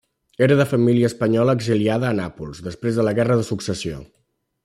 Era de família espanyola exiliada a Nàpols després de la Guerra de Successió.